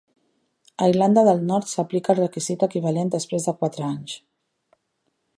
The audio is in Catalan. A Irlanda del Nord s'aplica el requisit equivalent després de quatre anys.